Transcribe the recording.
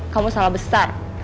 kamu salah besar